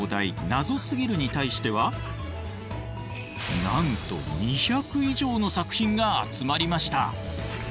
「ナゾすぎる」に対してはなんと２００以上の作品が集まりました。